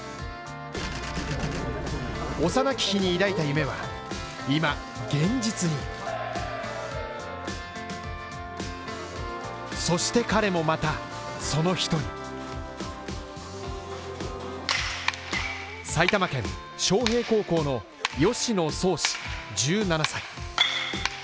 幼き日に抱いた夢は今、現実にそして彼もまたその一人埼玉県昌平高校の吉野創士１７歳。